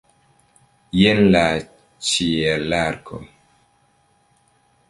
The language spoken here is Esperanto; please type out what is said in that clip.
Jen la ĉielarko!